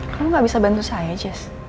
kamu gak bisa bantu saya jazz